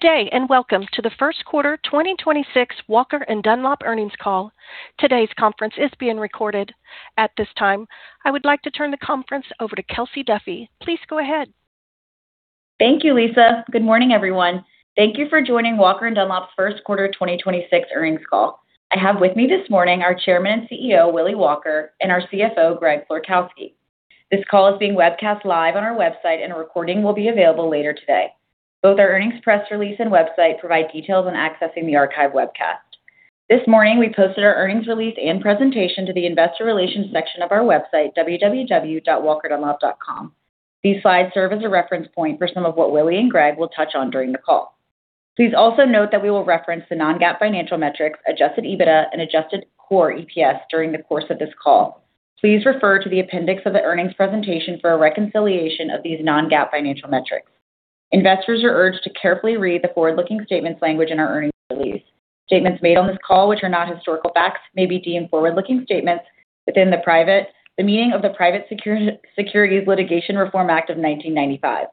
Good day, and welcome to the first quarter 2026 Walker & Dunlop earnings call. Today's conference is being recorded. At this time, I would like to turn the conference over to Kelsey Duffey. Please go ahead. Thank you, Lisa. Good morning, everyone. Thank you for joining Walker & Dunlop's first quarter 2026 earnings call. I have with me this morning our Chairman and CEO, Willy Walker, and our CFO, Greg Florkowski. This call is being webcast live on our website, and a recording will be available later today. Both our earnings press release and website provide details on accessing the archive webcast. This morning, we posted our earnings release and presentation to the investor relations section of our website, www.walkerdunlop.com. These slides serve as a reference point for some of what Willy and Greg will touch on during the call. Please also note that we will reference the non-GAAP financial metrics, adjusted EBITDA, and adjusted core EPS during the course of this call. Please refer to the appendix of the earnings presentation for a reconciliation of these non-GAAP financial metrics. Investors are urged to carefully read the forward-looking statements language in our earnings release. Statements made on this call, which are not historical facts, may be deemed forward-looking statements within the meaning of the Private Securities Litigation Reform Act of 1995.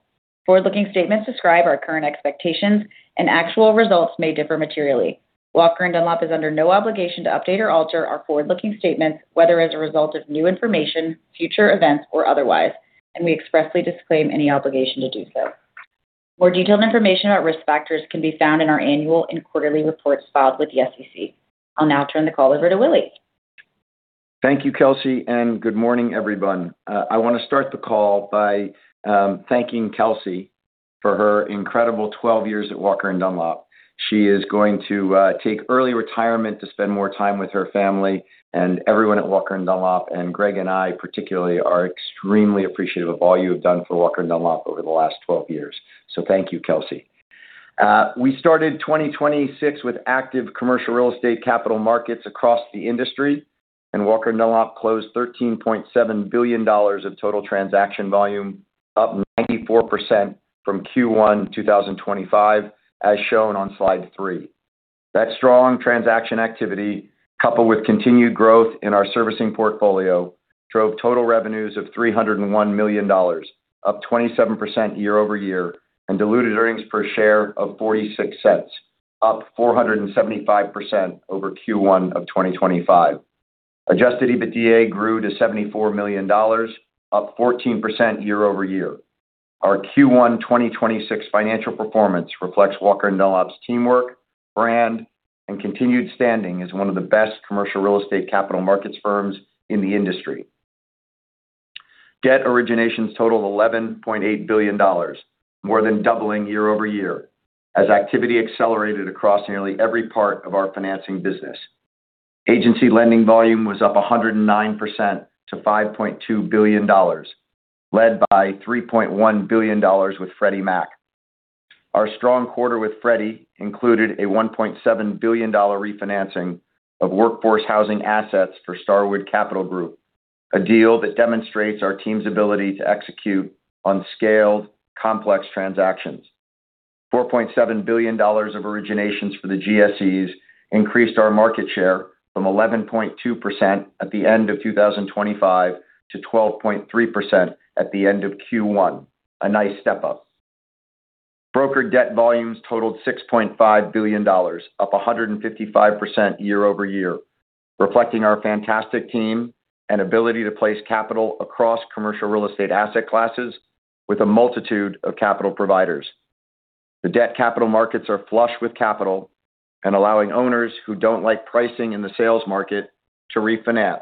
Forward-looking statements describe our current expectations, and actual results may differ materially. Walker & Dunlop is under no obligation to update or alter our forward-looking statements, whether as a result of new information, future events, or otherwise, and we expressly disclaim any obligation to do so. More detailed information about risk factors can be found in our annual and quarterly reports filed with the SEC. I'll now turn the call over to Willy. Thank you, Kelsey. Good morning, everyone. I want to start the call by thanking Kelsey for her incredible 12 years at Walker & Dunlop. She is going to take early retirement to spend more time with her family, and everyone at Walker & Dunlop, Greg and I, particularly, are extremely appreciative of all you have done for Walker & Dunlop over the last 12 years. Thank you, Kelsey. We started 2026 with active commercial real estate capital markets across the industry, Walker & Dunlop closed $13.7 billion of total transaction volume, up 94% from Q1 2025, as shown on slide three. That strong transaction activity, coupled with continued growth in our servicing portfolio, drove total revenues of $301 million, up 27% year-over-year, and diluted earnings per share of $0.46, up 475% over Q1 2025. Adjusted EBITDA grew to $74 million, up 14% year-over-year. Our Q1 2026 financial performance reflects Walker & Dunlop's teamwork, brand, and continued standing as one of the best commercial real estate capital markets firms in the industry. Debt originations totaled $11.8 billion, more than doubling year-over-year as activity accelerated across nearly every part of our financing business. Agency lending volume was up 109% to $5.2 billion, led by $3.1 billion with Freddie Mac. Our strong quarter with Freddie included a $1.7 billion refinancing of workforce housing assets for Starwood Capital Group, a deal that demonstrates our team's ability to execute on scaled, complex transactions. $4.7 billion of originations for the GSEs increased our market share from 11.2% at the end of 2025 to 12.3% at the end of Q1. A nice step up. Brokered debt volumes totaled $6.5 billion, up 155% year-over-year, reflecting our fantastic team and ability to place capital across commercial real estate asset classes with a multitude of capital providers. The debt capital markets are flush with capital, and allowing owners who don't like pricing in the sales market to refinance.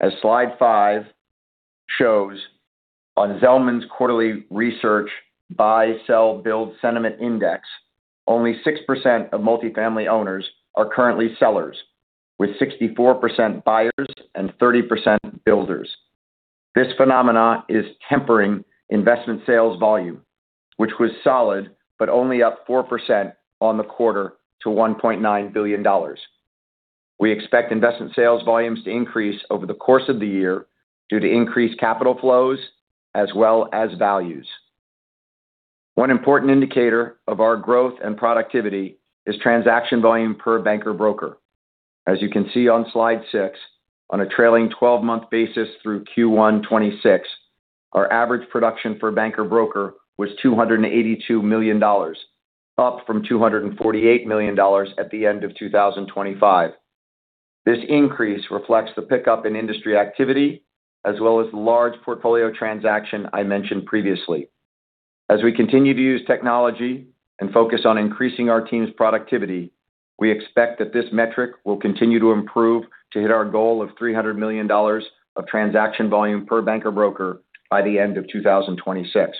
As slide five shows, on Zelman's quarterly research Buy, Sell, Build Sentiment Index, only 6% of multifamily owners are currently sellers, with 64% buyers and 30% builders. This phenomenon is tempering investment sales volume, which was solid but only up 4% on the quarter to $1.9 billion. We expect investment sales volumes to increase over the course of the year due to increased capital flows as well as values. One important indicator of our growth and productivity is transaction volume per banker-broker. As you can see on slide six, on a trailing 12-month basis through Q1 2026, our average production per banker broker was $282 million, up from $248 million at the end of 2025. This increase reflects the pickup in industry activity as well as the large portfolio transaction I mentioned previously. As we continue to use technology and focus on increasing our team's productivity, we expect that this metric will continue to improve to hit our goal of $300 million of transaction volume per banker broker by the end of 2026.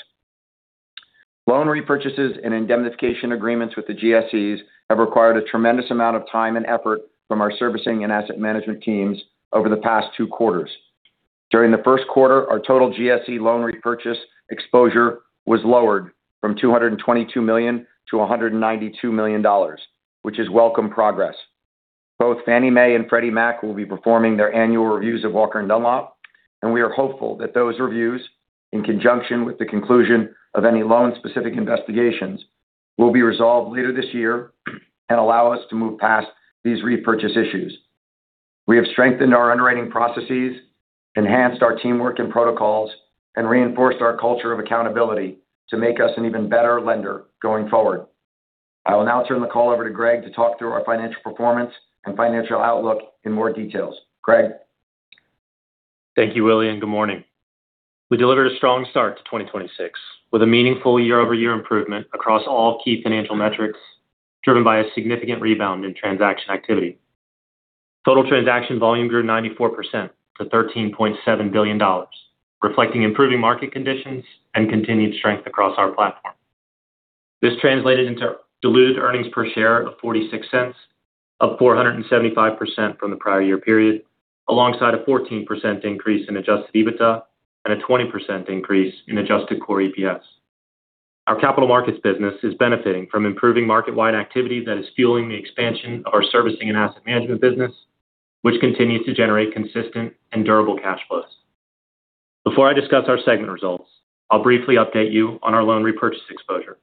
Loan repurchases and indemnification agreements with the GSEs have required a tremendous amount of time and effort from our Servicing & Asset Management teams over the past two quarters. During the first quarter, our total GSE loan repurchase exposure was lowered from $222 million to $192 million, which is welcome progress. Both Fannie Mae and Freddie Mac will be performing their annual reviews of Walker & Dunlop. We are hopeful that those reviews, in conjunction with the conclusion of any loan-specific investigations, will be resolved later this year and allow us to move past these repurchase issues. We have strengthened our underwriting processes, enhanced our teamwork and protocols, and reinforced our culture of accountability to make us an even better lender going forward. I will now turn the call over to Greg to talk through our financial performance and financial outlook in more details. Greg? Thank you, Willy, and good morning. We delivered a strong start to 2026 with a meaningful year-over-year improvement across all key financial metrics, driven by a significant rebound in transaction activity. Total transaction volume grew 94% to $13.7 billion, reflecting improving market conditions and continued strength across our platform. This translated into diluted earnings per share of $0.46, up 475% from the prior year period, alongside a 14% increase in adjusted EBITDA and a 20% increase in adjusted core EPS. Our capital markets business is benefiting from improving market-wide activity that is fueling the expansion of our Servicing & Asset Management business, which continues to generate consistent and durable cash flows. Before I discuss our segment results, I'll briefly update you on our loan repurchase exposure.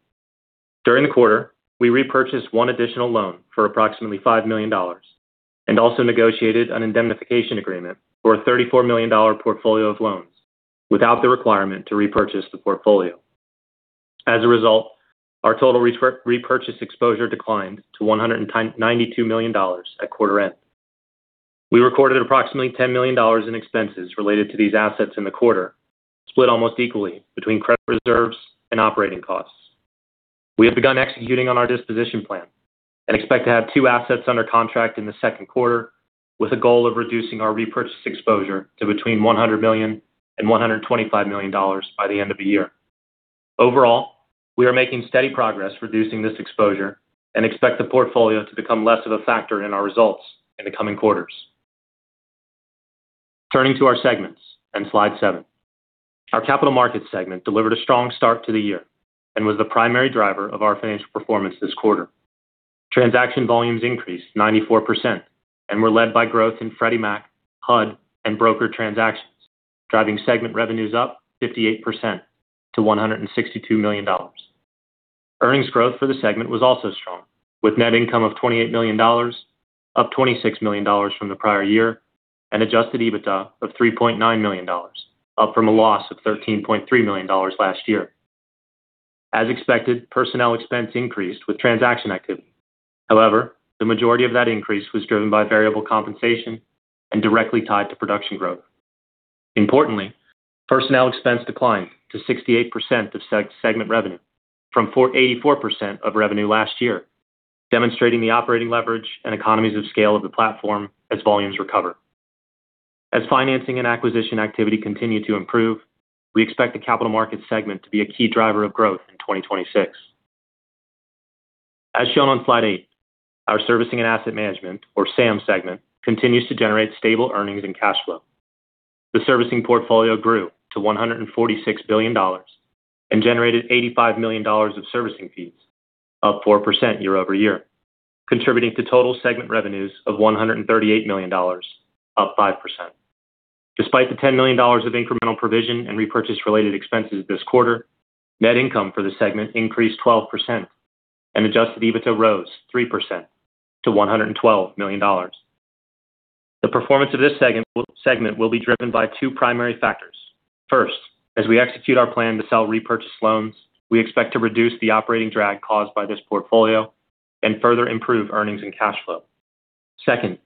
During the quarter, we repurchased one additional loan for approximately $5 million and also negotiated an indemnification agreement for a $34 million portfolio of loans without the requirement to repurchase the portfolio. As a result, our total repurchase exposure declined to $92 million at quarter end. We recorded approximately $10 million in expenses related to these assets in the quarter, split almost equally between credit reserves and operating costs. We have begun executing on our disposition plan and expect to have two assets under contract in the second quarter with a goal of reducing our repurchase exposure to between $100 million and $125 million by the end of the year. Overall, we are making steady progress reducing this exposure and expect the portfolio to become less of a factor in our results in the coming quarters. Turning to our segments on slide seven. Our capital markets segment delivered a strong start to the year and was the primary driver of our financial performance this quarter. Transaction volumes increased 94% and were led by growth in Freddie Mac, HUD, and broker transactions, driving segment revenues up 58% to $162 million. Earnings growth for the segment was also strong, with net income of $28 million, up $26 million from the prior year, and adjusted EBITDA of $3.9 million, up from a loss of $13.3 million last year. As expected, personnel expense increased with transaction activity. However, the majority of that increase was driven by variable compensation and directly tied to production growth. Importantly, personnel expense declined to 68% of segment revenue from 84% of revenue last year, demonstrating the operating leverage and economies of scale of the platform as volumes recover. As financing and acquisition activity continue to improve, we expect the capital markets segment to be a key driver of growth in 2026. As shown on slide eight, our Servicing & Asset Management, or SAM segment, continues to generate stable earnings and cash flow. The servicing portfolio grew to $146 billion and generated $85 million of servicing fees, up 4% year-over-year, contributing to total segment revenues of $138 million, up 5%. Despite the $10 million of incremental provision and repurchase-related expenses this quarter, net income for the segment increased 12%, and adjusted EBITDA rose 3% to $112 million. The performance of this segment will be driven by two primary factors. First, as we execute our plan to sell repurchase loans, we expect to reduce the operating drag caused by this portfolio and further improve earnings and cash flow. Second,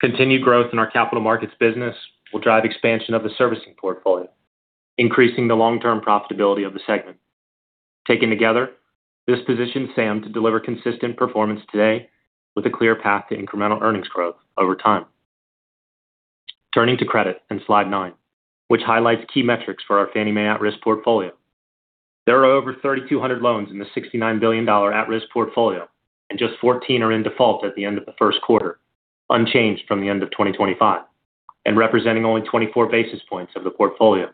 continued growth in our capital markets business will drive expansion of the servicing portfolio, increasing the long-term profitability of the segment. Taken together, this positions SAM to deliver consistent performance today with a clear path to incremental earnings growth over time. Turning to credit on slide nine, which highlights key metrics for our Fannie Mae at-risk portfolio. There are over 3,200 loans in the $69 billion at-risk portfolio, just 14 are in default at the end of the first quarter, unchanged from the end of 2025, and representing only 24 basis points of the portfolio.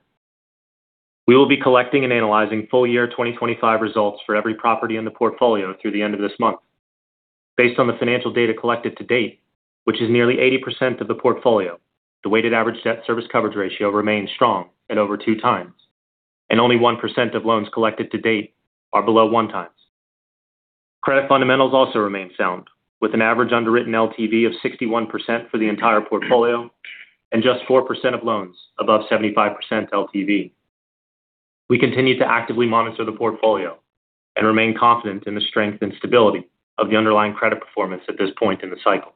We will be collecting and analyzing full-year 2025 results for every property in the portfolio through the end of this month. Based on the financial data collected to date, which is nearly 80% of the portfolio, the weighted average debt service coverage ratio remains strong at over 2x, only 1% of loans collected to date are below one time. Credit fundamentals also remain sound, with an average underwritten LTV of 61% for the entire portfolio and just 4% of loans above 75% LTV. We continue to actively monitor the portfolio and remain confident in the strength and stability of the underlying credit performance at this point in the cycle.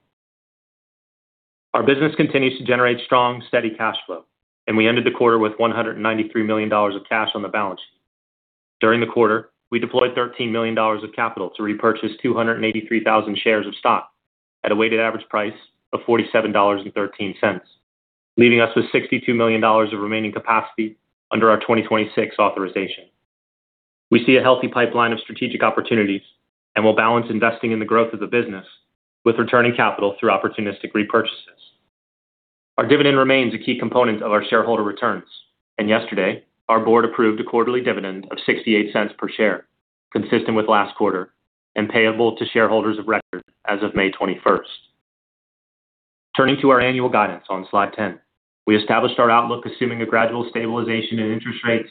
Our business continues to generate strong, steady cash flow, and we ended the quarter with $193 million of cash on the balance sheet. During the quarter, we deployed $13 million of capital to repurchase 283,000 shares of stock at a weighted average price of $47.13, leaving us with $62 million of remaining capacity under our 2026 authorization. We see a healthy pipeline of strategic opportunities and will balance investing in the growth of the business with returning capital through opportunistic repurchases. Our dividend remains a key component of our shareholder returns. Yesterday, our board approved a quarterly dividend of $0.68 per share, consistent with last quarter, and payable to shareholders of record as of May 21st. Turning to our annual guidance on slide 10. We established our outlook assuming a gradual stabilization in interest rates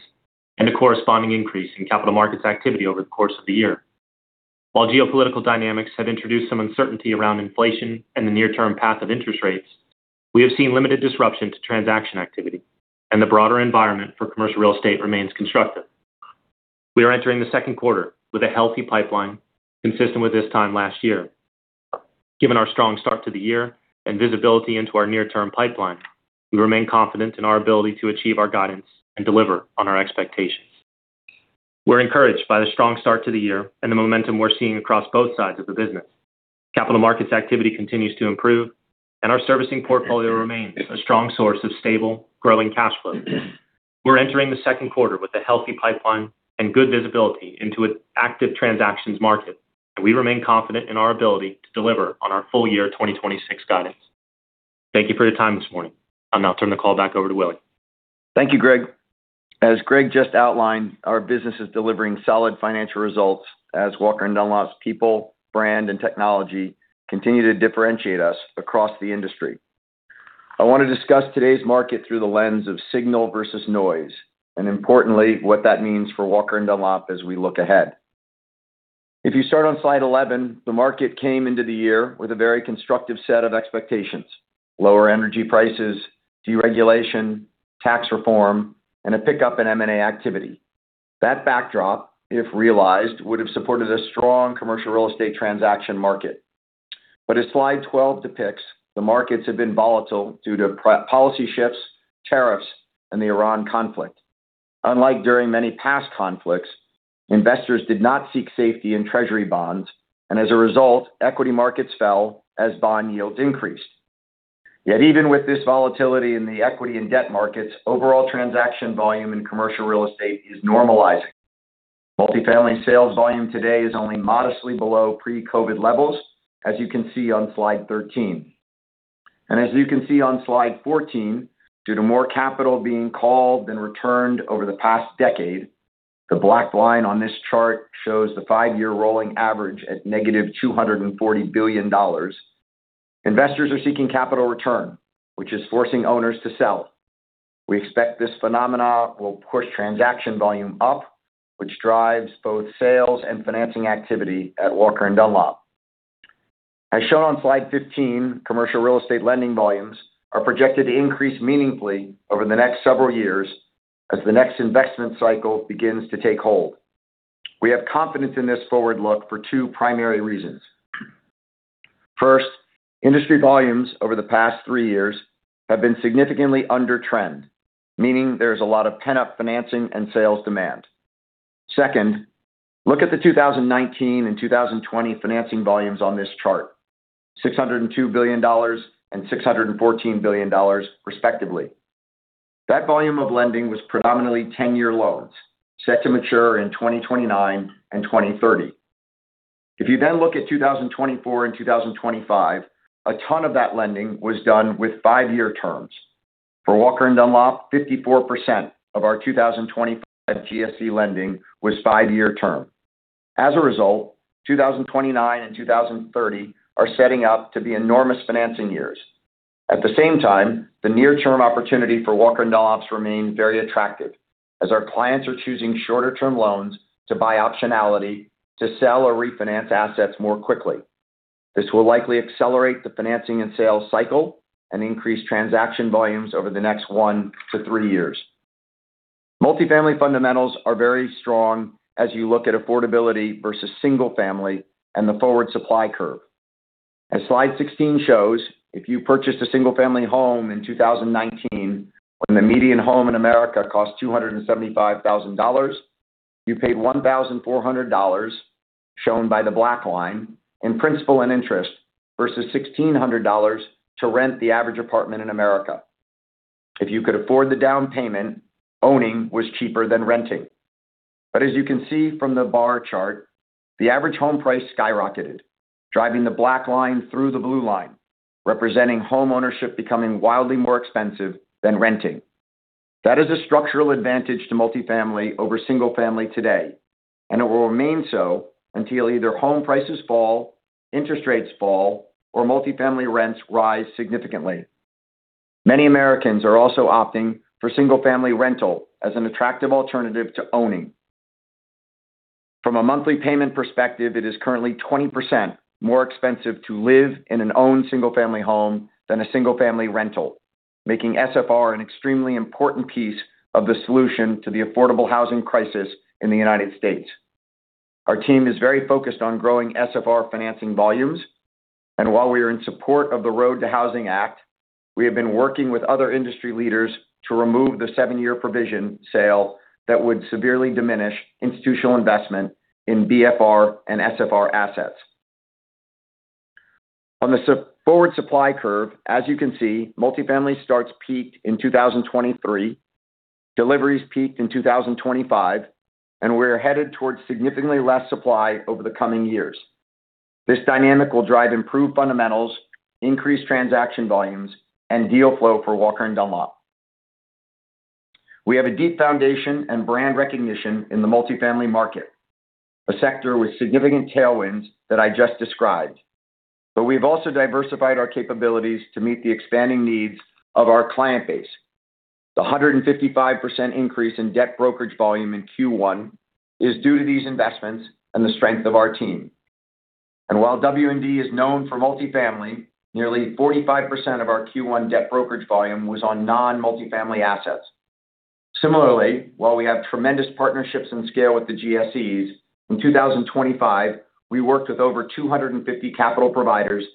and a corresponding increase in capital markets activity over the course of the year. While geopolitical dynamics have introduced some uncertainty around inflation and the near-term path of interest rates, we have seen limited disruption to transaction activity, and the broader environment for commercial real estate remains constructive. We are entering the second quarter with a healthy pipeline consistent with this time last year. Given our strong start to the year and visibility into our near-term pipeline, we remain confident in our ability to achieve our guidance and deliver on our expectations. We're encouraged by the strong start to the year and the momentum we're seeing across both sides of the business. Capital markets activity continues to improve, and our servicing portfolio remains a strong source of stable, growing cash flow. We're entering the second quarter with a healthy pipeline and good visibility into an active transactions market, and we remain confident in our ability to deliver on our full-year 2026 guidance. Thank you for your time this morning. I'll now turn the call back over to Willy. Thank you, Greg. As Greg just outlined, our business is delivering solid financial results as Walker & Dunlop's people, brand, and technology continue to differentiate us across the industry. I want to discuss today's market through the lens of signal versus noise, and importantly, what that means for Walker & Dunlop as we look ahead. If you start on slide 11, the market came into the year with a very constructive set of expectations. Lower energy prices, deregulation, tax reform, and a pickup in M&A activity. That backdrop, if realized, would have supported a strong commercial real estate transaction market. As slide 12 depicts, the markets have been volatile due to policy shifts, tariffs, and the Iran conflict. Unlike during many past conflicts, investors did not seek safety in treasury bonds, and as a result, equity markets fell as bond yields increased. Yet even with this volatility in the equity and debt markets, overall transaction volume in commercial real estate is normalizing. Multifamily sales volume today is only modestly below pre-COVID levels, as you can see on slide 13. As you can see on slide 14, due to more capital being called and returned over the past decade, the black line on this chart shows the five-year rolling average at negative $240 billion. Investors are seeking capital return, which is forcing owners to sell. We expect this phenomena will push transaction volume up, which drives both sales and financing activity at Walker & Dunlop. As shown on slide 15, commercial real estate lending volumes are projected to increase meaningfully over the next several years as the next investment cycle begins to take hold. We have confidence in this forward look for two primary reasons. First, industry volumes over the past three years have been significantly under trend, meaning there's a lot of pent-up financing and sales demand. Second, look at the 2019 and 2020 financing volumes on this chart, $602 billion and $614 billion, respectively. That volume of lending was predominantly 10-year loans set to mature in 2029 and 2030. If you then look at 2024 and 2025, a ton of that lending was done with five-year terms. For Walker & Dunlop, 54% of our 2025 GSE lending was five-year term. As a result, 2029 and 2030 are setting up to be enormous financing years. At the same time, the near-term opportunity for Walker & Dunlop's remains very attractive as our clients are choosing shorter-term loans to buy optionality to sell or refinance assets more quickly. This will likely accelerate the financing and sales cycle and increase transaction volumes over the next one to three years. Multifamily fundamentals are very strong as you look at affordability versus single-family and the forward supply curve. As slide 16 shows, if you purchased a single-family home in 2019 when the median home in America cost $275,000, you paid $1,400, shown by the black line, in principal and interest versus $1,600 to rent the average apartment in America. If you could afford the down payment, owning was cheaper than renting. As you can see from the bar chart, the average home price skyrocketed, driving the black line through the blue line, representing homeownership becoming wildly more expensive than renting. That is a structural advantage to multifamily over single-family today, and it will remain so until either home prices fall, interest rates fall, or multifamily rents rise significantly. Many Americans are also opting for single-family rental as an attractive alternative to owning. From a monthly payment perspective, it is currently 20% more expensive to live in an owned single-family home than a single-family rental, making SFR an extremely important piece of the solution to the affordable housing crisis in the United States. Our team is very focused on growing SFR financing volumes. While we are in support of the ROAD to Housing Act, we have been working with other industry leaders to remove the seven-year provision sale that would severely diminish institutional investment in BFR and SFR assets. On the forward supply curve, as you can see, multifamily starts peaked in 2023, deliveries peaked in 2025, and we're headed towards significantly less supply over the coming years. This dynamic will drive improved fundamentals, increased transaction volumes, and deal flow for Walker & Dunlop. We have a deep foundation and brand recognition in the multifamily market, a sector with significant tailwinds that I just described. We've also diversified our capabilities to meet the expanding needs of our client base. The 155% increase in debt brokerage volume in Q1 is due to these investments and the strength of our team. While W&D is known for multifamily, nearly 45% of our Q1 debt brokerage volume was on non-multifamily assets. Similarly, while we have tremendous partnerships and scale with the GSEs, in 2025, we worked with over 250 capital providers,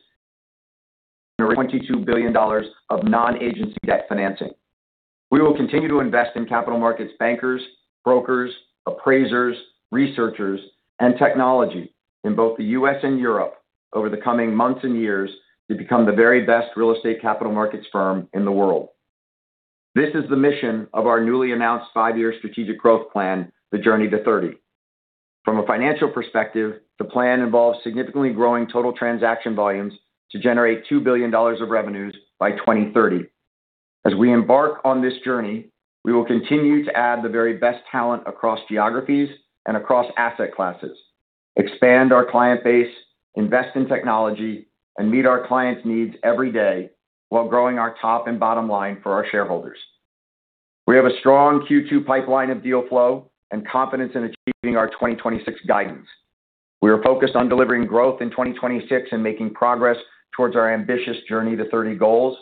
$22 billion of non-agency debt financing. We will continue to invest in capital markets bankers, brokers, appraisers, researchers, and technology in both the U.S. and Europe over the coming months and years to become the very best real estate capital markets firm in the world. This is the mission of our newly announced five-year strategic growth plan, The Journey to 2030. From a financial perspective, the plan involves significantly growing total transaction volumes to generate $2 billion of revenues by 2030. As we embark on this journey, we will continue to add the very best talent across geographies and across asset classes, expand our client base, invest in technology, and meet our clients' needs every day while growing our top and bottom line for our shareholders. We have a strong Q2 pipeline of deal flow and confidence in achieving our 2026 guidance. We are focused on delivering growth in 2026 and making progress towards our ambitious The Journey to 2030 goals,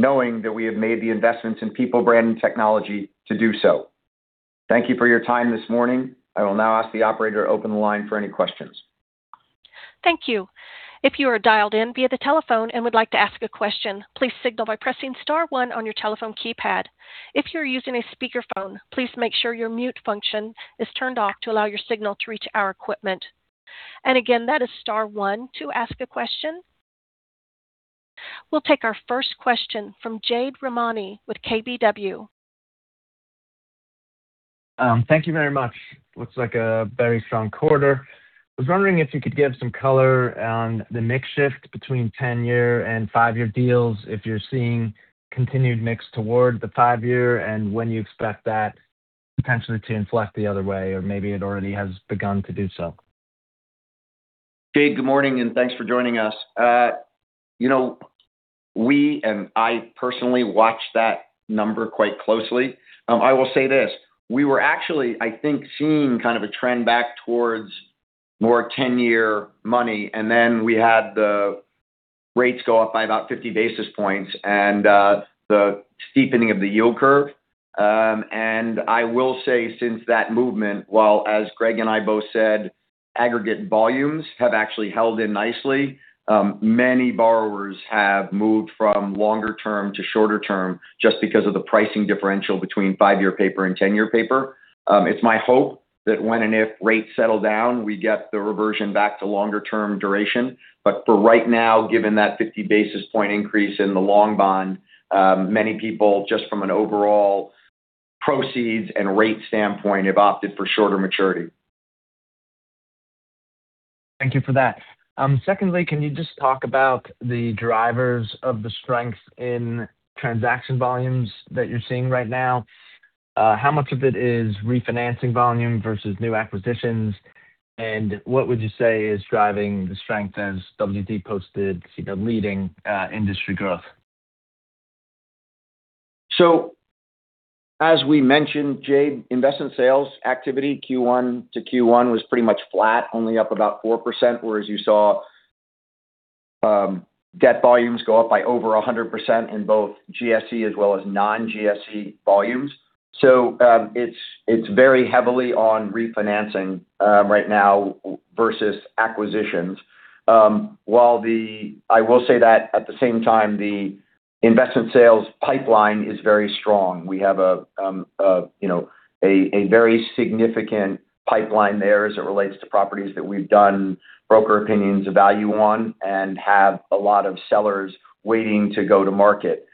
knowing that we have made the investments in people, brand, and technology to do so. Thank you for your time this morning. I will now ask the operator to open the line for any questions. Thank you. If you are dialed in via the telephone and would like to ask a question, please signal by pressing star one on your telephone keypad. If you're using a speakerphone, please make sure your mute function is turned off to allow your signal to reach our equipment. Again, that is star one to ask a question. We'll take our first question from Jade Rahmani with KBW. Thank you very much. Looks like a very strong quarter. I was wondering if you could give some color on the mix shift between 10-year and five-year deals, if you're seeing continued mix toward the five-year, and when you expect that potentially to inflect the other way, or maybe it already has begun to do so. Jade, good morning, and thanks for joining us. You know, we and I personally watch that number quite closely. I will say this. We were actually, I think, seeing kind of a trend back towards more 10-year money. Then we had the rates go up by about 50 basis points and the steepening of the yield curve. I will say, since that movement, while as Greg and I both said, aggregate volumes have actually held in nicely, many borrowers have moved from longer term to shorter term just because of the pricing differential between five-year paper and 10-year paper. It's my hope that when and if rates settle down, we get the reversion back to longer-term duration. For right now, given that 50 basis point increase in the long bond, many people, just from an overall proceeds and rate standpoint, have opted for shorter maturity. Thank you for that. Secondly, can you just talk about the drivers of the strength in transaction volumes that you're seeing right now? How much of it is refinancing volume versus new acquisitions? What would you say is driving the strength as W&D posted, you know, leading industry growth? As we mentioned, Jade, investment sales activity Q1 to Q1 was pretty much flat, only up about 4%, whereas you saw debt volumes go up by over 100% in both GSE as well as non-GSE volumes. It's very heavily on refinancing right now versus acquisitions. I will say that at the same time, the investment sales pipeline is very strong. We have a, you know, a very significant pipeline there as it relates to properties that we've done broker opinions of value on and have a lot of sellers waiting to go to market.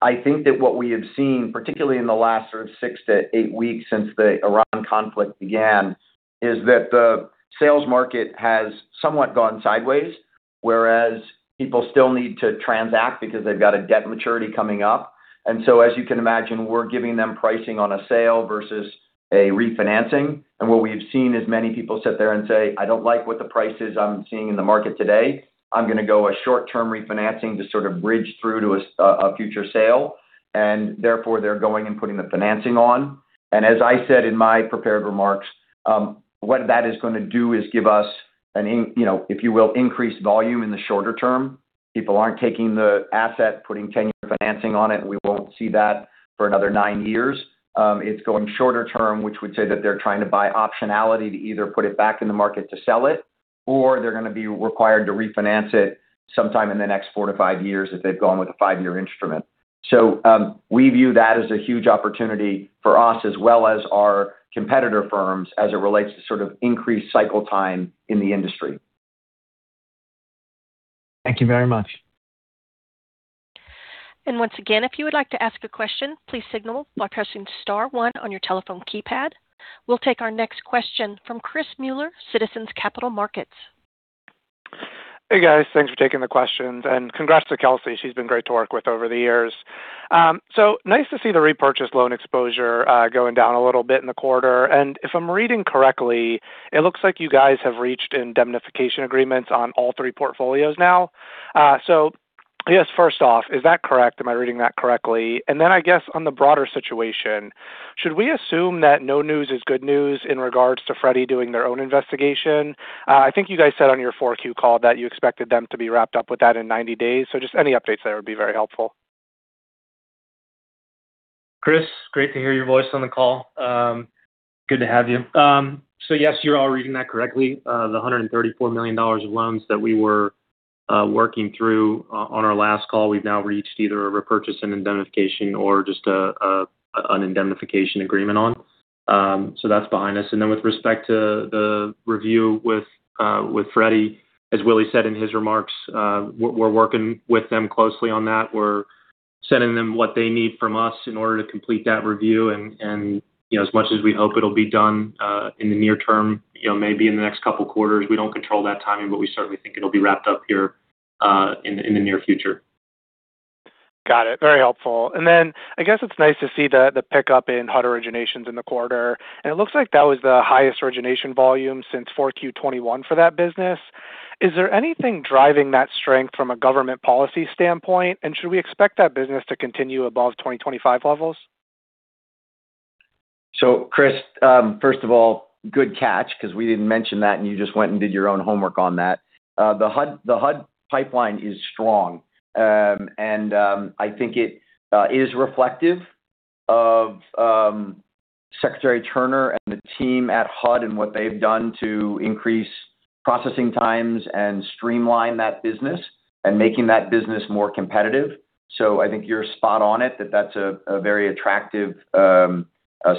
I think that what we have seen, particularly in the last sort of six to eight weeks since the Iran conflict began, is that the sales market has somewhat gone sideways, whereas people still need to transact because they've got a debt maturity coming up. As you can imagine, we're giving them pricing on a sale versus a refinancing. What we have seen is many people sit there and say, "I don't like what the price is I'm seeing in the market today. I'm going to go a short-term refinancing to sort of bridge through to a future sale." They're going and putting the financing on. As I said in my prepared remarks, what that is going to do is give us an increased volume in the shorter term. People aren't taking the asset, putting 10-year financing on it, and we won't see that for another nine years. It's going shorter term, which would say that they're trying to buy optionality to either put it back in the market to sell it, or they're going to be required to refinance it sometime in the next four to five years if they've gone with a five-year instrument. We view that as a huge opportunity for us as well as our competitor firms, as it relates to sort of increased cycle time in the industry. Thank you very much. Once again, if you would like to ask a question, please signal by pressing star one on your telephone keypad. We'll take our next question from Chris Muller, Citizens Capital Markets. Hey, guys. Thanks for taking the questions. Congrats to Kelsey. She's been great to work with over the years. Nice to see the repurchase loan exposure going down a little bit in the quarter. If I'm reading correctly, it looks like you guys have reached indemnification agreements on all three portfolios now. Yes. First off, is that correct? Am I reading that correctly? I guess on the broader situation, should we assume that no news is good news in regards to Freddie doing their own investigation? I think you guys said on your Q4 call that you expected them to be wrapped up with that in 90 days. Just any updates there would be very helpful. Chris, great to hear your voice on the call. Good to have you. Yes, you're all reading that correctly. The $134 million of loans that we were working through on our last call, we've now reached either a repurchase and indemnification or just an indemnification agreement on. That's behind us. With respect to the review with Freddie, as Willy said in his remarks, we're working with them closely on that. We're sending them what they need from us in order to complete that review, and, you know, as much as we hope it'll be done in the near term, you know, maybe in the next couple of quarters, we don't control that timing, but we certainly think it'll be wrapped up here in the near future. Got it. Very helpful. I guess it's nice to see the pickup in HUD originations in the quarter, and it looks like that was the highest origination volume since 4Q 2021 for that business. Is there anything driving that strength from a government policy standpoint? Should we expect that business to continue above 2025 levels? Chris, first of all, good catch because we didn't mention that, and you just went and did your own homework on that. The HUD pipeline is strong. I think it is reflective of Secretary Turner and the team at HUD and what they've done to increase processing times and streamline that business, and making that business more competitive. I think you're spot on it, that that's a very attractive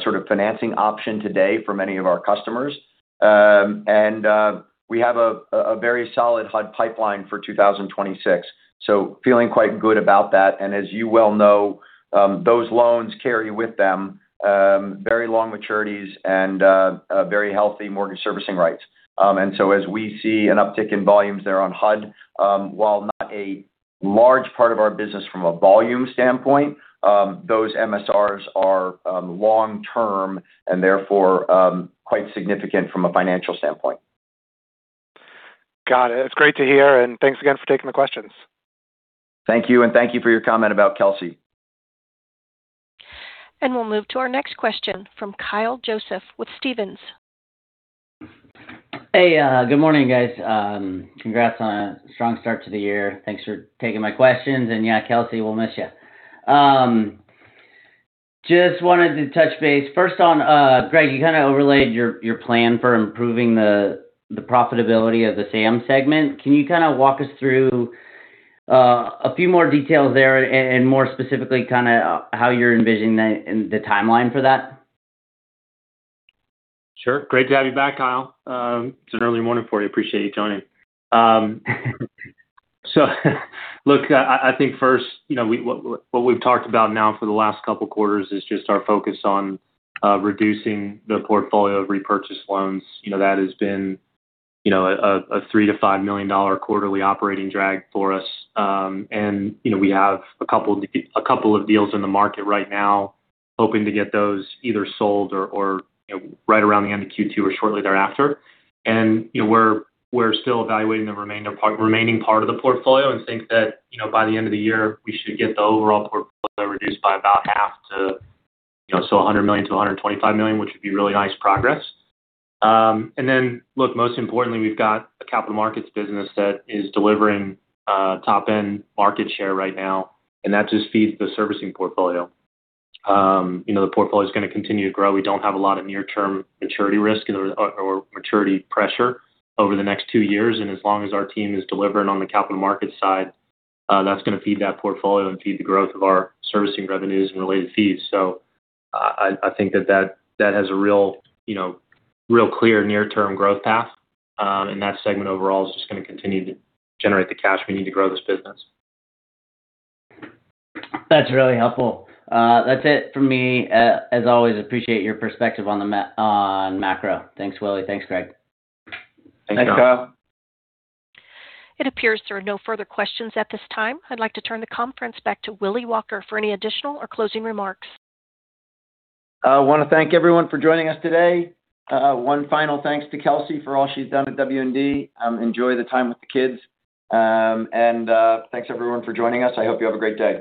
sort of financing option today for many of our customers. We have a very solid HUD pipeline for 2026, feeling quite good about that. As you well know, those loans carry with them very long maturities and very healthy mortgage servicing rights. As we see an uptick in volumes there on HUD, while not a large part of our business from a volume standpoint, those MSRs are long-term and therefore quite significant from a financial standpoint. Got it. It is great to hear. Thanks again for taking the questions. Thank you. Thank you for your comment about Kelsey. We'll move to our next question from Kyle Joseph with Stephens. Hey. Good morning, guys. Congrats on a strong start to the year. Thanks for taking my questions. Yeah, Kelsey, we'll miss you. Just wanted to touch base first on, Greg, you kind of overlaid your plan for improving the profitability of the SAM segment. Can you kind of walk us through a few more details there, and more specifically, kind of how you're envisioning that and the timeline for that? Sure. Great to have you back, Kyle. It's an early morning for you. Appreciate you tuning in. Look, I think first, you know, what we've talked about now for the last couple of quarters is just our focus on reducing the portfolio of repurchase loans. You know, that has been, you know, a $3 million-$5 million quarterly operating drag for us. You know, we have a couple of deals in the market right now, hoping to get those either sold or, you know, right around the end of Q2 or shortly thereafter. You know, we're still evaluating the remaining part of the portfolio and think that, you know, by the end of the year, we should get the overall portfolio reduced by about half to $100 million-$125 million, which would be really nice progress. Look, most importantly, we've got a capital markets business that is delivering top-end market share right now, and that just feeds the servicing portfolio. You know, the portfolio is going to continue to grow. We don't have a lot of near-term maturity risk or maturity pressure over the next two years. As long as our team is delivering on the capital markets side, that's going to feed that portfolio and feed the growth of our servicing revenues and related fees. I think that has a real, you know, real clear near-term growth path. And that segment overall is just going to continue to generate the cash we need to grow this business. That's really helpful. That's it for me. As always, appreciate your perspective on macro. Thanks, Willy. Thanks, Greg. Thanks, Kyle. It appears there are no further questions at this time. I'd like to turn the conference back to Willy Walker for any additional or closing remarks. I want to thank everyone for joining us today. One final thanks to Kelsey for all she's done at W&D. Enjoy the time with the kids. Thanks, everyone, for joining us. I hope you have a great day.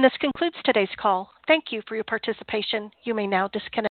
This concludes today's call. Thank you for your participation. You may now disconnect.